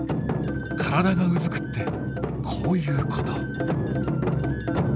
体がうずくってこういうこと。